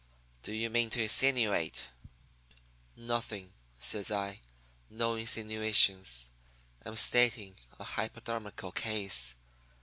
'Do you mean to insinuate ' "'Nothing,' says I; 'no insinuations. I'm stating a hypodermical case.